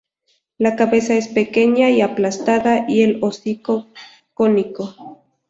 La cabeza es pequeña y aplastada y el hocico cónico.